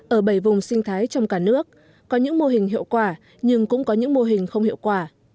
ở bảy vùng sinh thái trong cả nước có những mô hình hiệu quả nhưng cũng có những mô hình không hiệu quả